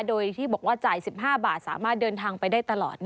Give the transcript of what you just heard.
โดยที่บอกว่าจ่าย๑๕บาทสามารถเดินทางไปได้ตลอด